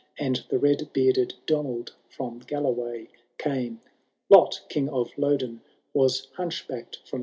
And the led bearded Donald from Galloway came. Lot, King of Lodon, was hunchbacked ftom.